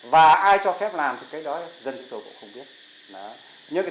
và ai cho phép làm thì cái đó dân chủ cũng không biết